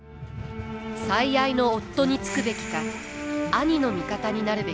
最愛の夫につくべきか兄の味方になるべきか。